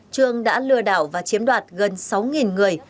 trường đã lừa đảo và chiếm đoạt gần sáu người